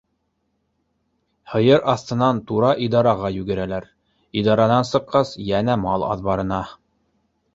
Һыйыр аҫтынан тура идараға йүгерәләр, идаранан сыҡҡас йәнә мал аҙбарына.